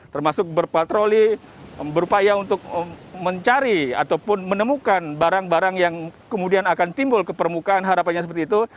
termasuk berpatroli berupaya untuk mencari ataupun menemukan barang barang yang kemudian akan timbul ke permukaan harapannya seperti itu